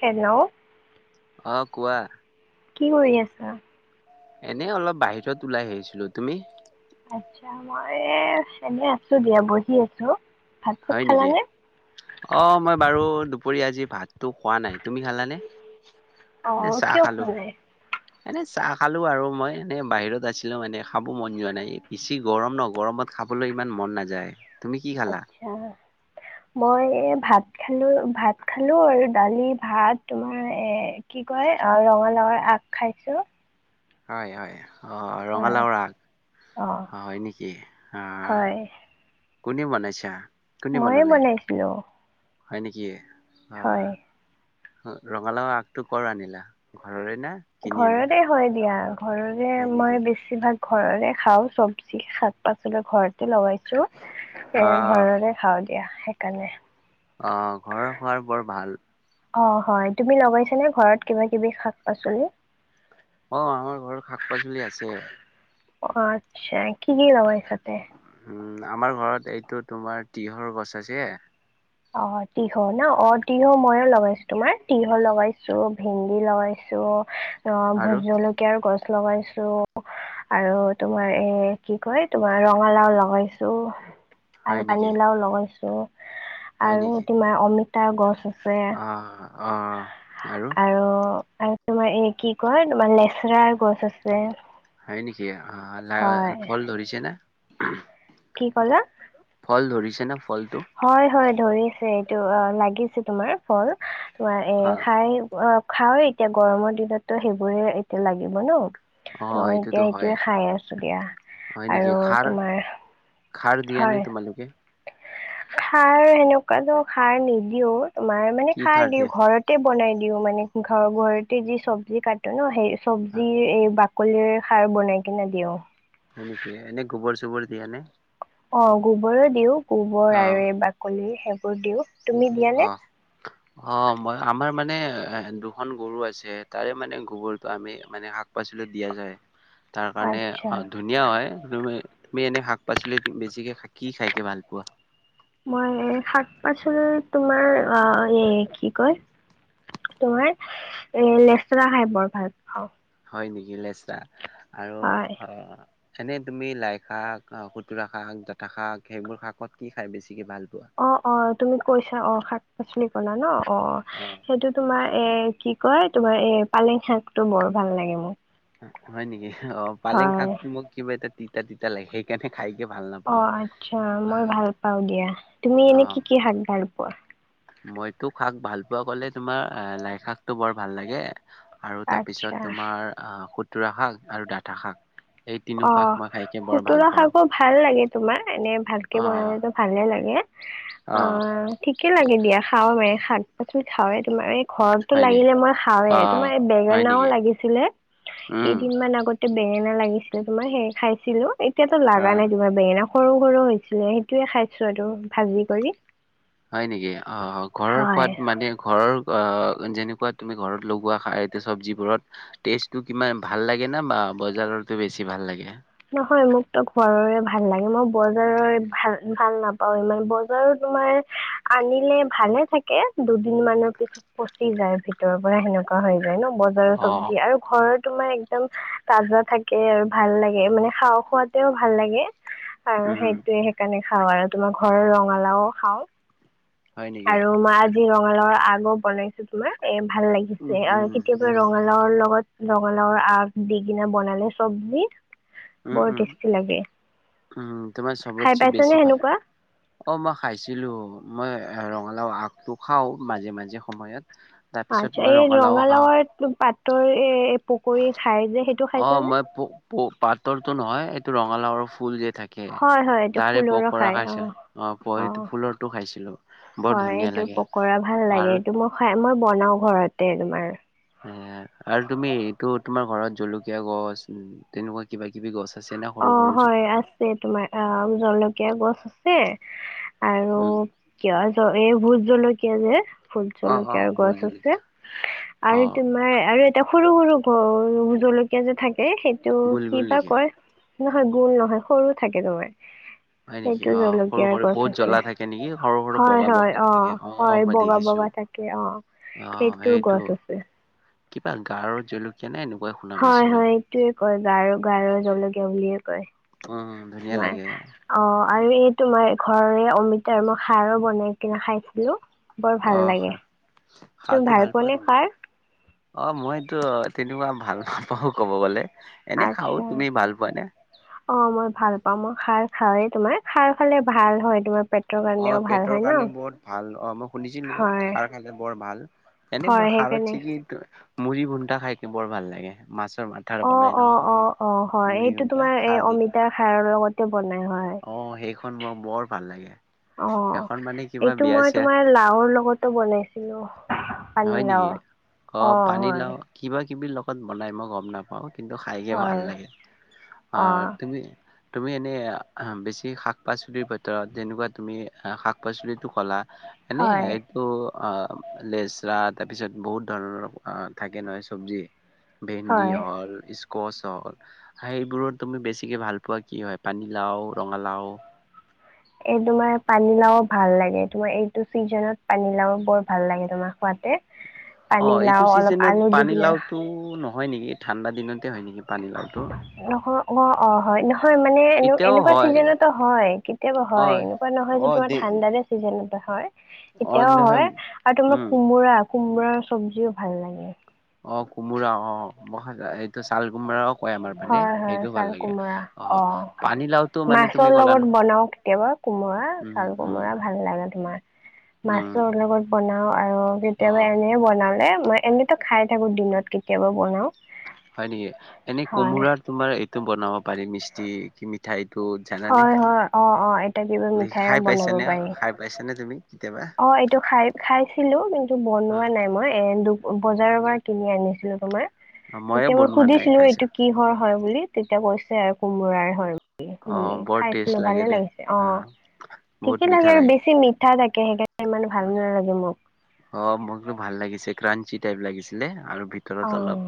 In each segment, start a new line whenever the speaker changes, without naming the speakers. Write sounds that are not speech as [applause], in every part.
Hello
অ কোৱা
কি কৰি আছা
এনে অলপ বাহিৰত ওলাই আহিছিলো তুমি।
আচ্ছা মই এনে আছো দিয়া বহি আছো। ভাত চাত
হয় নেকি
খালানে?
অ মই বাৰু দুপৰীয়া আজি ভাত তো খোৱা নাই তুমি খালানে নে
অ'
চাহ
কিয়
খালো
খোৱা নাই?
এনে চাহ খালো আৰু মই এনে বাহিৰত আছিলো মানে খাব মন যোৱা নাই বেছি গৰম ন গৰমত খাবলৈ ইমান মন নাযায়
আচ্ছা।
উ
মই এ ভাত খালো ভাত খালো আৰু দালি ভাত তোমাৰ এ কি কয় অ ৰঙালাওৰ আগ খাইছো।
হয় হয়। অ
হয়
ৰঙালাও ৰাগ
অ'
হয় নেকি কোনে বনাইছা কোনে
মইে
বনালে
বনাইছিলো।
হয় নেকি অ
হয়।
ৰঙালাও আগটো কৰ আনিলা ঘৰৰে না কিনি আনিলা
ঘৰতে হয় দিয়া ঘৰৰে
হয়
মই
নেকি
বেছি ভাগ ঘৰৰে খাওঁ চবজি শাক পাচলি ঘৰতে লগাইছ
অ
এ
অ
ঘৰলে খাওঁ দিয়া সেইকাৰণে।
অ ঘৰৰ খোৱাৰ বৰ ভাল
অ হয় তুমি লগাইছ নে
অ',
ঘৰত কিবা কিবি শাক পাচলি
অ আমাৰ ঘৰত শাক পাচলি আছে
আচ্ছা কি কি লাবা এইসতে।
উম আমাৰ ঘৰত এইটো তোমাৰ তিঁহৰ গছ আছে।
অ তিহ ন অ তিহ মই লগাইছো তোমাৰ তিহল লগাইছো ভেন্দি লগাইছো অ ভো
আৰু
জলকীয়াৰ গছ। লগাইছো। আৰু তোমাৰ এ কি কয় তোমাৰ ৰঙালাও লগাইছো।
হয়
আৰু
নেকি?
পানীলাও লগাইছো আৰু তোমাৰ অমিতাৰ গছ আছে।
অঁ।
আৰু। আৰু তোমাৰ এ কি কয় তোমাৰ লেচেৰাৰ গছ আছে।
হয় নেকি? অ
হয়,
ফল ধৰিছে ন।
কি ক'লা?
ফল ধৰিছে না ফলটো।
হয় হয় ধৰি আছে এইটো অ লাগিছে তোমাৰ ফল তোমাৰ এ
অ',
খাই অ। খা এতিয়া গৰমৰ দিনততো সেইবোৰে এতিয়া লাগিব ন। ত
অ', এইটোতো
এতিয়া
হয়।
সেইটোৱে খাই আছো দিয়া
হয় নেকি?
আৰু
খাৰ
তোমাৰ।
খাৰ দিয়া নে
হয়
তোমালোকে?
সাৰ সেনেকুৱাটো খাৰ নিদিও। তোমাৰ মানে
কি
খাৰ দিওঁ
দিয়া?
ঘৰতে বনাই দিও মানে ঘ ঘৰতে যি চব্জি কাটো ন সেই। চব্জিৰ এই বাকলিৰ খাৰ বনাই কিনে দিওঁ।
হয় নেকি? এনে গোবৰ চোবৰ দিয়া নে?
অ' গোবৰো দিও গোবৰ
অ',
আৰু এই বাকলি সেইবোৰ দিও।
অ, অ, মই আমাৰ মানে এ দুখন গৰু আছে। তাৰে মানে গোবৰটো আমি মানে শাক পাচলি দিয়া যায়। তাৰ কাৰণে
আচ্ছা
ধুনীয়া হয়। তুমি এনে শাক-পাচলি বেছিকে কি খাইকে ভাল পোৱা?
মই শাক-পাচলিৰ তোমাৰ এই কি কয়? তোমাৰ এ লেচা খাই বৰ ভাল পাওঁ।
হয় নেকি, লেচা আৰু
হয়
অ' এনে তুমি লাই-শাক খুতুৰা শাক জঠা শাক সেইবোৰ শাকত কি খাই বেছি ভাল পোৱা?
অ অ তুমি কৈছা অ' শাক-পাচলি কলা ন অ' সেইটো তোমাৰ এ, কি কয়, তোমাৰ এ পালেং শাকতটো বৰ ভাল লাগে মোক।
হয় নেকি? অ' পালেং
হয়
শাক মোক কিবা এটা তিতা-তিতা লাগে সেইকাৰণে খাই।
অ, আচ্ছা মই ভাল পাও দিয়া। তুমি এনে কি
অ
কি শাক ভাল পোৱা?
মইতো শাক ভাল পোৱা কলে তোমাৰ লাই শাকটো বৰ ভাল লাগে। আৰু তাৰ পিছত
আচ্ছা
তোমাৰ আহ, খুতুৰা শাক আৰু ডাঠা শাক। এই তিনিও শাক
অ'
মই খাইকে বৰ ভাল
খুতৰা
পাওঁ।
শাক ভাল লাগে তোমাৰ। এনে ভালকে
অহ
বনালতো ভালে লাগে। অ,
অহ
ঠিকে লাগে দিয়া খাও ম পা তুমি খাওঁয়ে, তোমাৰ এক ঘৰতটো
হয় নি?
লাগিলে মই খাওঁয়ে।
অহ
তোমাৰ এই
হয়
বেঙেনাও
নেকি?
লাগিছিলে
উম
কেইদিনমান আগত। বেঙেনা লাগিছিলে, তোমাৰ সেই খাইছিলো এতিয়াতো ল লগা
অহ
নাই তোমাৰ বেঙেনা। সৰু-সৰু হৈছিলে। সেইটোয়ে খাইছো আৰু ভাজি কৰি।
হয় নেকি? অ 'ঘৰৰ
হয়
সোৱাদ মানে ঘৰৰ আহ যেনেকুৱা তুমি ঘৰত লগোৱা চব্জিবোৰত টেষ্টটো কিমান ভাল লাগে না বা বজাৰত? বেছি ভাল লাগে?
নহয়, মোকতো ঘৰৰে ভাল লাগে। মই বজাৰৰে ভাল ভাল নাপাও ইমান। বজাৰত তোমাৰ আনিলে ভালে থাকে, দুদিন মানৰ পিছত পচি যায়। ভিতৰৰ পৰা সেনেকুৱা হৈ ন, বজাৰৰ
অহ
চব্জি আৰু ঘৰৰ তোমাৰ একদম তাজা থাকে আৰু ভাল লাগে। মানে খাওঁ খোৱাতেও ভাল লাগে আৰু
উম
সেইটোয়ে সেইকাৰণে। খাওঁ আৰু তোমাৰ ঘৰৰ ৰঙালাও খাওঁ
হয় নেকি?
আৰু মা ৰঙালাওৰ আগো বনাইছো তোমাৰ এ ভাল লাগিছে।
উম
অ'
উম
কেতিয়াবা
উম
ৰঙালাওৰ লগত ৰঙালাওৰ আগ দি কিনা বনালে চব্জি।
উম,
বৰ
উম,
টেষ্টি লাগে
উম তোমাৰ
খাই
চবতি
পাইছানে
বেছি পা
সেনেকুৱা?
অ, মই খাইছিলো মই ৰঙালাও আগটো খাওঁ মাজে মাজে সময়ত। তাৰপিছত
আচ্ছা।
মই
এই
খাওঁ।
ৰঙালাও পাত ৰ, এ পকৰী খাই যে সেইটো
অ
খাইছানে?
টো ৰঙালাওৰ ফুল যে থাকে
হয় হয় এইটো
তাৰে
ফুলৰ
পকৰা
খাই
খাইছ অ', প
অ
ফুলতো খাইছিলো বৰ
হয়
ধুনীয়া
এইটো
লাগে
পকৰা ভাল লাগে
আৰু
এইটো মই খাই মই বনাও ঘৰতে তোমাৰ।
এ', আৰু তুমি এইটো তোমাৰ ঘৰত জলকীয়া গছ উ, তেনেকুৱা কিবা-কিবি গছ আছে না সৰু
অ',
সৰু
হয় আছে তোমাৰ অ, জলকীয়া গছ আছে, আৰু
উম
কিয় এই ভোত জলকীয়া যে
অ অ
ভূত-জলকীয়
বহুত
গছ আছে
জলকীয়া অ
আৰু তোমাৰ আৰু এটা সৰু-সৰু গুল জলকীয়া যে থাকে সেইটো
গোল
কি
গোল
বা
নেকি?
কয়? নহয় গোল নহয় সৰু থাকে তোমাৰ।
[inaudible] হয় নেকি?
সেইটো
অ',
জলকীয়াৰ
সৰু-সৰু
গছ
বহুত
আছে।
জ্বলা থাকে নেকি? সৰু-সৰু
হয়
বগা বগাে থাকে অ'-অ', মই দেখিছো।
তাকে অ', সেইটো গছ আছে।
কিবা গাৰো জলকীয়া নে এনেকুৱাই শুনা পাইছিলো
হয়-হয় এইটোয়ে কয় গাৰ গাৰৰ জলকীয়া বুলিয়ে কয়।
উম', ধুনীয়া
তোমাৰ।
লাগে।
অ আৰু এই তোমাৰ ঘৰৰে অমিতাৰ মই খাৰো বনাই কিনে খাইছিলো। বৰ ভাল
অ',
লাগে তুমি
খাৰ-খাৰটো ভাল পোৱা
পোৱানে
তুমি?
খাৰ
অ', মইটো তেনেকুৱা ভাল ফাল নাপাওঁ ক'ব গ'লে। এনে খাও
আচছা।
তুমি ভাল পোৱা নে
অ', মই ভাল পাম মই খাৰ খাই তোমাৰ খাৰ খালে ভাল হয় তোমাৰ পেট
অ', পেটৰ কাৰণে বত ভাল অ', মই শুনিছিলো
হয়
খাৰ খালে বৰ ভাল। এনে
হয়
মই খাৰত
সেইকাৰণে
চেিকি মুড়ি ভুন্টাা খাই বৰ ভাল লাগে। মাছ
অ'-অ'-অ'-অ', হয়
মুড়ি
সেইটো
ঘুন্টা
তোমাৰ এই
খাৰ দি
অমিতা খাৰৰ লগত
অ', সেইখন মোৰ বৰ ভাল লাগে। সেইখন
অ',
মানে কিবা
এইটো
বিয়া
মই
চিয়া
তোমাৰ লাওৰ লগতো বনাইছিলো।
হয় নেকি?
পানীলাও।
অ, পানী লাও কিবা বিৰ লগত বনাই মই গম নাপাওঁ কিন্তু খাইকে ভাল
হয়,
লাগে। অ', তুমি তুমি এনে বেছি শাক পাচলিৰ ভিতৰত যেনেকুৱা তুমি শাক পাচলিত এইটো কলা এনেে
হয়,
এইটো অ, লেজ তাৰ পিছত বহুত ধৰণৰ থাকে নহয় চব্জি? ভেন্দি
হয়।
হল কছ হল সেইবোৰত তুমি বেছিকে ভাল পোৱা কি হয় পানীলাও, ৰঙালাও?
এ, তোমাৰ পানীলাও ভাল লাগে তোমাৰ এইটো চিজনত পানী লাও বৰ ভাল লাগে তোমাৰ খোৱতে।
অ', এইটো চিজনত পানী
কিনে
লাওতো নহয় নেকি, ঠাণ্ডা দিনতে হয় নেকি? পানীলাওটো
নহয় অ', - অ', হয় ন হয় মানে এনে
এতিয়াও
এনেকুৱা
হয়
ছিজনতো হয় কেতিয়াবা
অ
হয় এনেকুৱা নহয় যে
অ
তোমাৰ
দে
ঠাণ্ডা ছিজনত হয়
অ
এতিয়াও
নহয়
হয় আৰু তোমাৰ
উম
কোমোৰা, কোমৰাাৰ চব্জিও ভাল লাগে।
অ', কোমোৰা অ', মই এইটো ছাল ুমৰাও কয় আমাৰ পানে
হয় হয়
সেইটো
চাল
ভাল লাগে
কোমোৰা
অ'। পানীলাওতো মানে
মাছৰ
তুমি ক'লা
লগত বনাও
নহ
কেতিয়াবা কোমোৰা চাল কোমোৰা ভাল লাগে তোমাৰ।
উম
মাছৰ লগত বনাও আৰু
অ
কেতিয়াবা এনে বনালে মই এনেতো খাই থাকো দিনত কেতিয়াবা বনাও।
হয় নেকি? এনে
হয়
কোমোোৰাৰ তোমাৰ এইটো বনাব পাৰি মিস্তি কি মিঠাই তত জানানে?
হয় হয় অ অ এটা কিবা মিঠাইও
খাই
বনাব
পাইছ নে,
পাৰি
খাই পাইছ নে তুমি? কেতিয়াবা
অ', এইটো খাই খাইছিলো কিন্তু বনোৱা
অ
নাই মই এ দুখ বজাৰৰ পৰা কিনি আনিছিলো তোমাৰ,
মইয়ে
তেতিয়া মই
বনোৱা নাই
সুধিছিলো
খাইছো
এইটো কি হয়? হয় বুলি তেতিয়া কৈছে আৰু কোমোৰাৰ হয়। বুলি,
অ', বৰ টেষ্ট
খাইছিলো
লাগে
ভালে
দে
লাগিছে অ'।
আহ বহুত
ঠিকে
মিঠা
লাগে আৰু বেছি মি উঠা থাকে ইমান ভাল নালাগে মোক
অ মোকতো ভাল লাগিছে ক্ৰাঞ্চি টাইপ লাগিছিলে আৰু ভিতৰত
অ
অলপ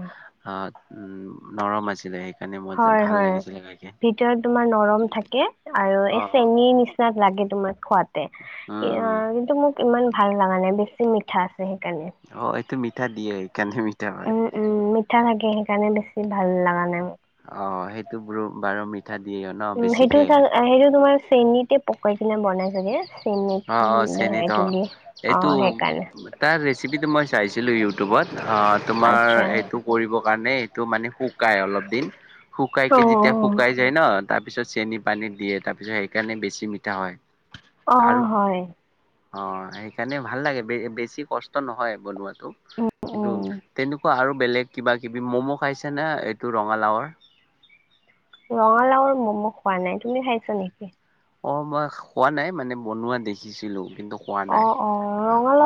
অ উম নৰম আছিলে সেইকাৰণে মই যে
হয়
ভাল
হয়
লাগিছিলে খাই।
ভিতৰত তোমাৰ নৰম থাকে আৰু এ
অ', অ'।
চেনীৰ নিচিনা লাগে। তোমাৰ খোৱাতে
উম, উম
কিন্তু মোক ইমান ভাল লগা নাই বেছি মিঠা সেইকাৰণে।
অ', এইটো মিঠা দিয়ে সেইকাৰণে মিঠা হয়।
উম উম মিঠা থাকে সেইকাৰণে বেছি ভাল লগা নাই।
অ সেইটো বোৰ বাৰ মি
উম সেইটো চ সেইটো তোমাৰ চেনীতে পকাই কিনে বনাই চাগে? চেনীত
অ অ
উম,
চেনীত অ
এইটো দি অ
এইটো
সেইকাৰণে
তাৰ ৰেচিপিটো মই চাইছিলো ইউটো উবত আ তোমাৰ
আচ্ছা
এইটো কৰিবৰ কাৰণে টো মানে শুকাই অলপ দিন শুকাই কে
অ
যেতিয়া শুকাই যায় ন তাৰ পিছত চেনি পানীত দিয়ে তাৰ পিছত সেইকাৰণে বেছি মিঠা হয়।
অ
আৰু
হয়।
অ সেইকাৰণে ভাল লাগে বে বেছি কষ্ট নহয় বনোৱাটো
উম
কিন্তু
উম
তেনেকুৱা আৰু বেলেগ কিবা-কিবি, মম খাইছা নাই এইটো ৰঙালাওৰ।
ৰঙালাওৰ মম' খোৱা নাই, তুমি খাইছা নেকি?
অ মই খোৱা নাই মানে বনোৱা দেখিছিলো। কিন্তু খোৱা
অ
নাই
অ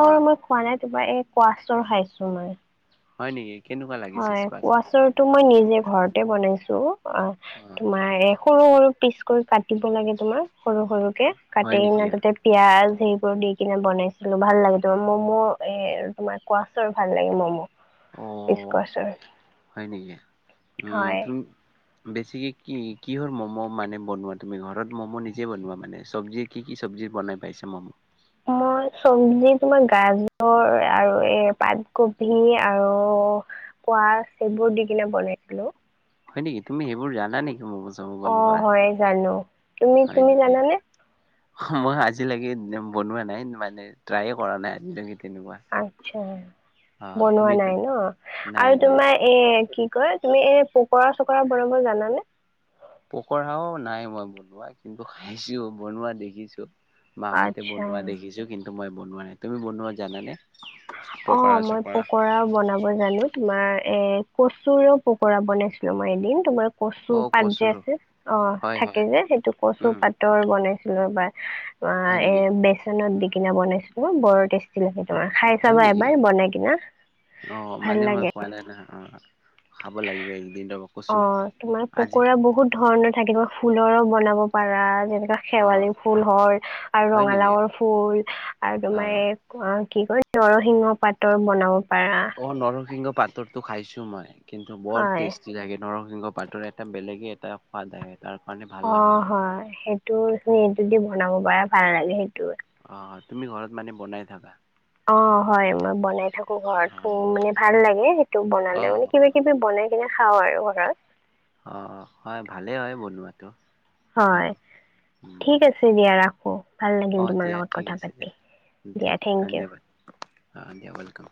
অ
মই খোৱা নাই তোমাৰ এই কোৱাচৰ খাইছো মই।
হয় নেকি? কেনেকুৱা লাগিছে
হয়
স্কোৱাচৰ
কোৱাচৰটো মই নিজে ঘৰতে বনাইছো অ
অ
তোমাৰ এ সৰু সৰু পিচ কৰি কাটিব লাগে তোমাৰ সৰু সৰুকে কাটি
হয় নেকি
কেনে
অ
তাতে পিয়াজ সেইবোৰ দি কিনে বনাইছিলো, ভাল লাগে তোমাৰ ম'ম' এ তোমাৰ কোৱাছৰ ভাল লাগে ম'ম'।
অ
ইস্কছৰ হয়।
হয় নেকি উম তুম বেছিকে কি কিহৰ ম'ম' মানে বনোৱা তুমি ঘৰত ম'ম' নিজে বনোৱা মানে চবজি কি কি চবজি বনাই পাইছা ম'ম?
ম ই চবজি তোমাৰ গাজৰ আৰু এই পাতকবি আৰু কোৱাচ সেইবোৰ দি কিনে বনাইছিলো।
হয় নিকি তুমি সেইবোৰ জানা নে
অ হয় জানো, তুমি তুমি জানানে?
হ মই আজিলৈকে বনোৱা নাই মানে ট্ৰায়ে কৰা নাই আজিলৈকে তেনেকুৱা
আচ্ছা
অ
বনোৱা
তুমি
নাই ন
নাই
আৰু
নাই
তোমাৰ এ কি কয় তুমি এই পোকৰা চকৰা বনাব জানানে?
পকৰাও নাই মই বনোৱা কিন্তু খাইছো বনোৱা দেখিছো। মাহঁতে
আচ্ছা
বনোৱা দেখিছো কিন্তু মই বনোৱা নাই তুমি বনোৱা জানানে?
অ
পকৰা
মই
চকৰা
পকৰাও বনাব জানো তোমাৰ এ কচুৰ পকৰা বনাইছিলো মই এদিন তোমাৰ কচু
অ
পাত যে
কচুৰ
আছে অ
হয়
থাকে
হয়
যে সেইটো কচু
উম
পাতৰ বনাইছো। ৰবা আ
হয়
এ
নেকি
বেচনত দি কিনে বনাইছিলো বৰ টেষ্টি লাগে তোমাৰ খাই
হয়
চাবা
নেকি?
এবাৰ বনাই কিনা ভাল লাগে।
অঁ।
অ তোমাৰ
আজি
পকৰা বহুত ধৰণৰ থাকে, ফুলৰো বনাব পাৰা যে এনেকে
অ'
শেৱালি ফুল হল আৰু
হয় নেকি?
ৰঙালাওৰ ফুল আৰু তোমাৰ
অ'
অ কি কয় নৰসিংহ পাতৰ বনাও।
অ নৰসিংহ পাতৰটো খাইছো মই কিন্তু বৰ
হয়
টেষ্টি লাগে নৰ সিংহ পাতৰ এটা বেলেগে এটা সোৱাদ আহে। তাৰ কাৰণে ভাল
অ
লগা
হয় সেইটো এইটোদি বনাব পাৰা ভাল লাগে সেইটো।
অ তুমি ঘৰত মানে বনাই থাকা।
অ' হয়। মই বনাই থাকো ঘৰত। উম
অ'
মানে ভাল লাগে সেইটো
অ'
বনালে, মানে
অ'
কিবা-কিবি বনাই কিনে খাওঁ আৰু ঘৰত।
অ' হয়। ভালে হয় বনোৱাটো।
হয়,
বাৰু। উম,
ঠিক আছে দিয়া, ৰা
অ' দিয়া, ঠিক আছে দিয়া।
দিয়া
থে-
থেংক ইউ
ধন্যবাদ। অ' দিয়া, ৱেলকাম।